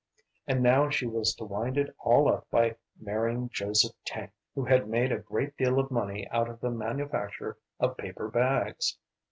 And now she was to wind it all up by marrying Joseph Tank, who had made a great deal of money out of the manufacture of paper bags.